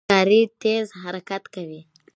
ښکاري تېز حرکت کوي.